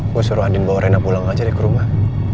gue suruh adi bawa rena pulang aja deh ke rumah